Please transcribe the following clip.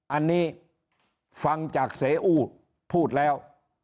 อันนี้ฟังจากเสียอู้พูดแล้ว